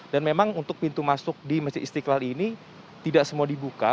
dan memang untuk pintu masuk di masjid istiqlal ini tidak semua dibuka